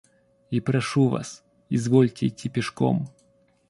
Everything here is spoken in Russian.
И прошу вас — извольте идти пешком.